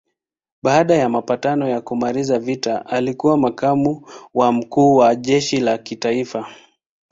Baada ya mapatano ya kumaliza vita alikuwa makamu wa mkuu wa jeshi la kitaifa.